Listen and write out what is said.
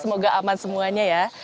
semoga aman semuanya ya